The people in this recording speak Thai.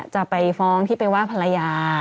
จะไปฟ้องที่ไปว่าภรรยา